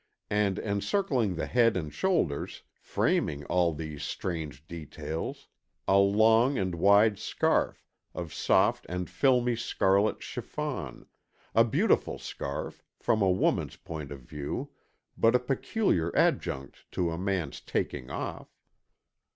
And encircling the head and shoulders, framing all these strange details, a long and wide scarf, of soft and filmy scarlet chiffon, a beautiful scarf, from a woman's point of view, but a peculiar adjunct to a man's taking off.